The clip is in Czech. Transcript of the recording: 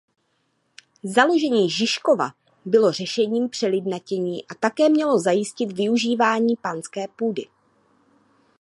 Založení Žižkova bylo řešením přelidnění a také mělo zajistit využívání panské půdy.